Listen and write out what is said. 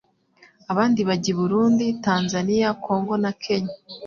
abandi bajya i Burundi, Tanzania, Kongo na Kenya.